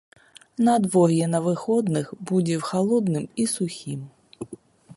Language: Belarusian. Надвор'е на выходных будзе халодным і сухім.